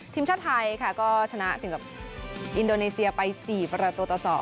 ทีมชาติไทยค่ะก็ชนะสิงกับอินโดนีเซียไป๔ประตูต่อ๒